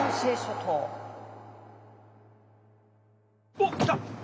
おっきた！